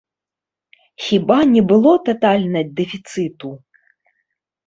Хіба не было татальна дэфіцыту?